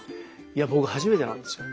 いや僕初めてなんですよ。